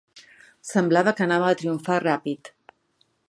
Semblava que anava a triomfar ràpid.